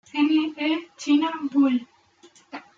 N. E. China; Bull.